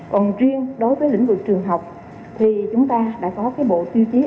còn riêng đối với lĩnh vực trường học thì chúng ta đã có cái bộ tiêu chí